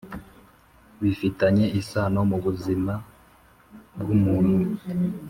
bifitanye isano mubuzima bwumuntu.